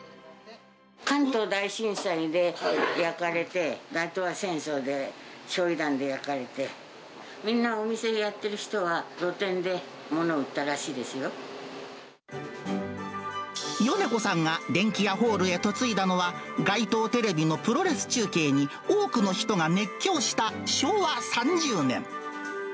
関東大震災で焼かれて、大東亜戦争で焼い弾で焼かれて、みんなお店やってる人は、米子さんがデンキヤホールへ嫁いだのは、街頭テレビのプロレス中継に、多くの人が熱狂した昭和３０年。